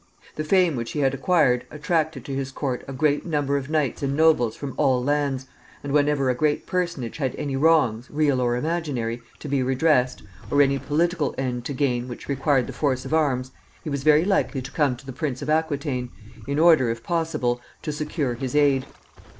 The fame which he had acquired attracted to his court a great number of knights and nobles from all lands, and whenever a great personage had any wrongs, real or imaginary, to be redressed, or any political end to gain which required the force of arms, he was very likely to come to the Prince of Aquitaine, in order, if possible, to secure his aid.